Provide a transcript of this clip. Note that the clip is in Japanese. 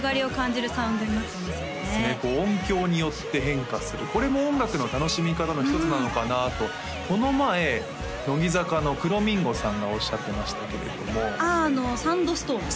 音響によって変化するこれも音楽の楽しみ方の一つなのかなとこの前乃木坂のくろみんごさんがおっしゃってましたけれどもああ「Ｓａｎｄｓｔｏｒｍ」